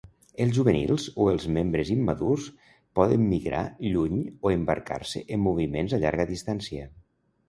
Els juvenils o els membres immadurs poden migrar lluny o embarcar-se en moviments a llarga distància.